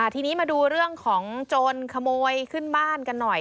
ทีนี้มาดูเรื่องของโจรขโมยขึ้นบ้านกันหน่อย